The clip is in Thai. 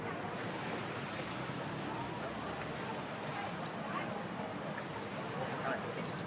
โปรดติดตามต่อไป